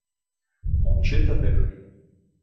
Мовчи та дихай.